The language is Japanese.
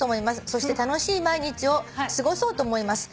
そして楽しい毎日を過ごそうと思います」